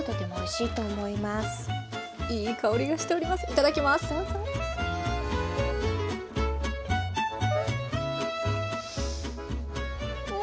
いただきます。